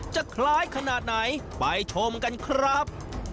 จะคล้ายขนาดไหนไปชมกันครับ